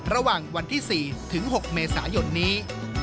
ระหว่างวันที่๔ถึง๖เมษายนนี้